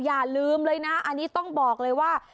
อย่าลืมเลยนะอันนี้ต้องบอกเลยว่า